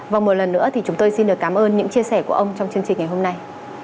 và một lần nữa thì chúng tôi xin được cảm ơn những chia sẻ của ông trong chương trình ngày hôm nay